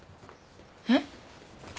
えっ？